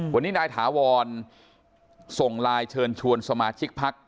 วันนี้นายถาวรส่งไลน์เชิญชวนสมาชิกพัก